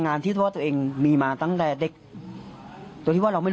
เจ้าสูตรที่น้ำตุ้มมันหยุดได้เลย